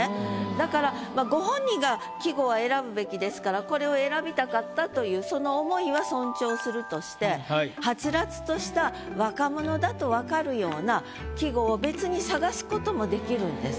だからまあご本人が季語は選ぶべきですからこれを選びたかったというその思いは尊重するとしてはつらつとした別に探すこともできるんです。